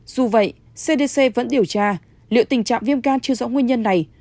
dù vậy cdc vẫn điều tra liệu tình trạng viêm gan chưa rõ nguyên nhân này